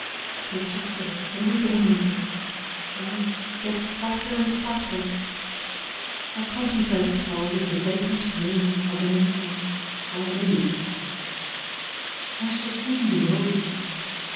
It is just a silly game. Life gets flatter and flatter. I contemplate it all with the vacant grin Of an infant or an idiot. I shall soon be old.